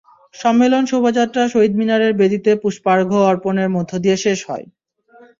সম্মেলন শোভাযাত্রা শহীদ মিনারের বেদিতে পুষ্পার্ঘ্য অর্পণের মধ্য দিয়ে শেষ হয়।